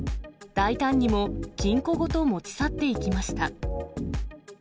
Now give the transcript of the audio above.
大胆にも金庫ごと持ち去っていきました。